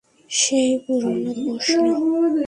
সেই পুরোনো প্রশ্ন।